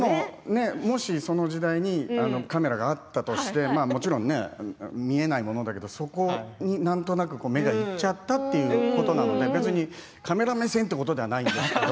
もし、その時代にカメラがあったとしてもちろん見えないものだけとそこに、なんとなく目がいっちゃったということなので別にカメラ目線ということではないんですけれど。